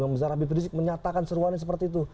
imam besar rabbi prizik menyatakan seruannya seperti itu